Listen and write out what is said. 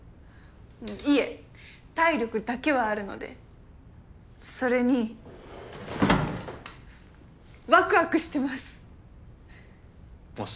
いえ体力だけはあるのでそれにわくわくしてますあっ